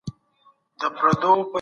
هوښيار لږ خو سم وايي